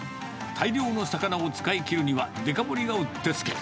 大量の魚を使いきるには、デカ盛りが打ってつけ。